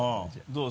どう？